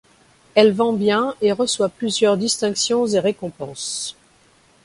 Elle vend bien et reçoit plusieurs distinctions et récompenses.